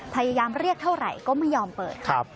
พยายามเรียกเท่าไหร่ก็ไม่ยอมเปิดครับ